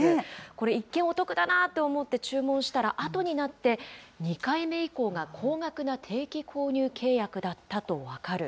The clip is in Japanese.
これ、一見、お得だなと思って注文したら、あとになって、２回目以降が高額な定期購入契約だったと分かる。